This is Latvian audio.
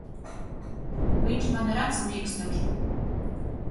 Viņš man ar aci miegs taču.